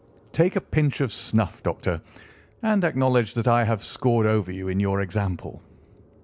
Take a pinch of snuff, Doctor, and acknowledge that I have scored over you in your example."